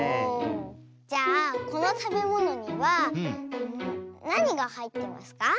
じゃあこのたべものにはなにがはいってますか？